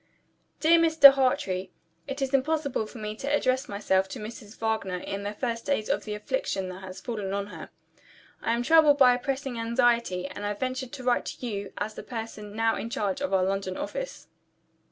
"Dear Mr. Hartrey, It is impossible for me to address myself to Mrs. Wagner, in the first days of the affliction that has fallen on her. I am troubled by a pressing anxiety; and I venture to write to you, as the person now in charge at our London office.